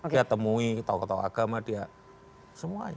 dia temui tokoh tokoh agama dia semuanya